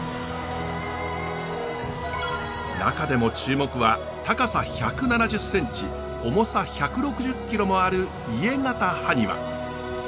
中でも注目は高さ１７０センチ重さ１６０キロもある家型ハニワ。